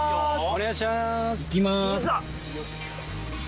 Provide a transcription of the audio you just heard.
お願いします！